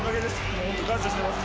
もう本当、感謝してます。